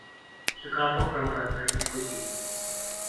Sekelompok perempuan berdiskusi.